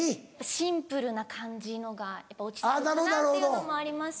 シンプルな感じのがやっぱ落ち着くかなっていうのもありますし。